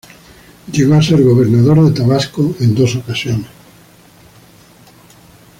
Llegó a ser gobernador de Tabasco en dos ocasiones.